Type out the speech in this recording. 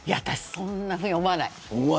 そんなふうには思わない。